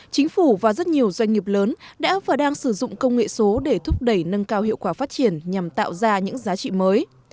chính phủ và rất nhiều doanh nghiệp lớn đã và đang sử dụng công nghệ số để thúc đẩy nâng cao hiệu quả phát triển nhằm tạo ra những giá trị mới